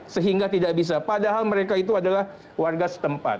sehingga tidak bisa padahal mereka itu adalah warga setempat